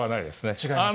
違いますか。